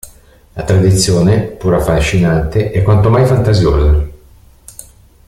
La tradizione, pur affascinante, è quanto mai fantasiosa.